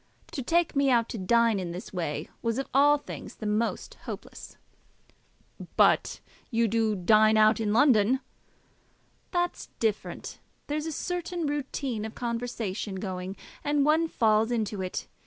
To take me out to dine in this way was of all things the most hopeless." "But you do dine out, in London." "That's different. There's a certain routine of conversation going, and one falls into it.